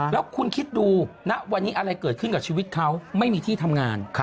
แล้วคุณคิดดูณวันนี้อะไรเกิดขึ้นกับชีวิตเขาไม่มีที่ทำงาน